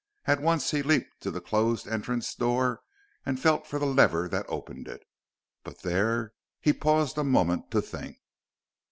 At once he leaped to the closed entrance door and felt for the lever that opened it. But there he paused a moment to think.